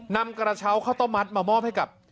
นำกระเช้าข้าวต้มมัดมามอบให้กับ